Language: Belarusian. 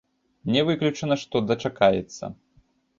Не выключана, што дачакаецца.